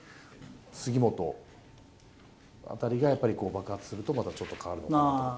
杉本あたりが、爆発するとまたちょっと変わるかなと。